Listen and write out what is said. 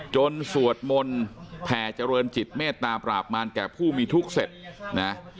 สวดมนต์แผ่เจริญจิตเมตตาปราบมารแก่ผู้มีทุกข์เสร็จนะ